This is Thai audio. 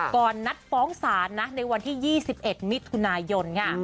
ก่อนนัดฟ้องศาลนะในวันที่๒๑มิถุนายนค่ะ